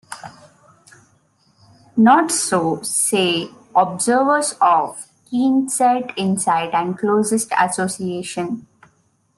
"Not so," say observers of keenest insight and closest association.